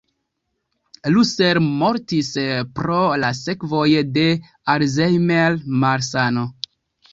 Russell mortis pro la sekvoj de la Alzheimer-malsano.